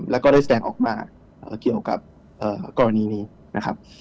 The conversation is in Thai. แล้วก็ได้แสดงออกมาเกี่ยวกับกรณีนี้นะครับ